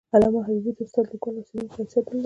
علامه حبیبي د استاد، لیکوال او څیړونکي حیثیت درلود.